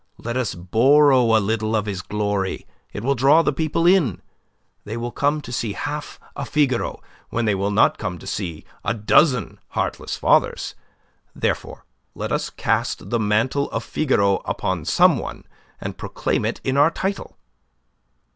Let us borrow a little of his glory. It will draw the people in. They will come to see half a 'Figaro' when they will not come to see a dozen 'Heartless Fathers.' Therefore let us cast the mantle of Figaro upon some one, and proclaim it in our title."